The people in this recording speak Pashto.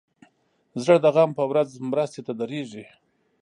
زړه د غم په ورځ مرستې ته دریږي.